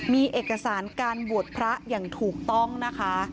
มีเอกสารการบวชพระอย่างถูกต้องนะคะ